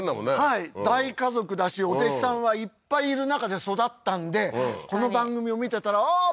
はい大家族だしお弟子さんがいっぱいいる中で育ったんでこの番組を見てたらああー